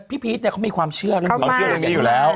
พี่พีชเนี่ยเขามีความเชื่อเรื่องนี้อยู่แล้ว